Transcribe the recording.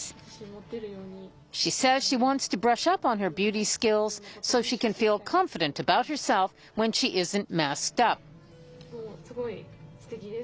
もうすごいすてきです。